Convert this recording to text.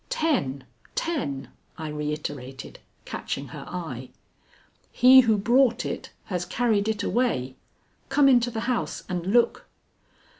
"Ten! ten!" I reiterated, catching her eye. "He who brought it has carried it away; come into the house and look."